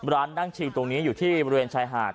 นั่งชิวตรงนี้อยู่ที่บริเวณชายหาด